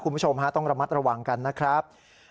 คุณผู้ชมฮะต้องระมัดระวังกันนะครับ